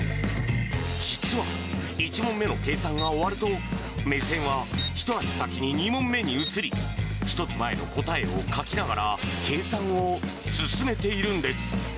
実は１問目の計算が終わると、目線は一足先に２問目に移り、１つ前の答えを書きながら、計算を進めているんです。